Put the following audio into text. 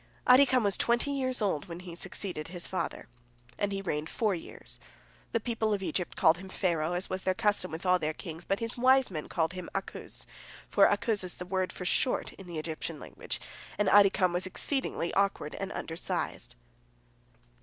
Adikam was twenty years old when he succeeded his father, and he reigned four years. The people of Egypt called him Pharaoh, as was their custom with all their kings, but his wise men called him Akuz, for Akuz is the word for "short" in the Egyptian language, and Adikam was exceedingly awkward and undersized.